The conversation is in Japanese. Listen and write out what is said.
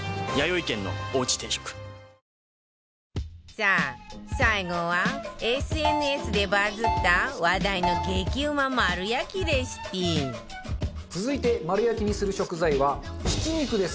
さあ最後は ＳＮＳ でバズった話題の激うま丸焼きレシピ続いて丸焼きにする食材はひき肉です。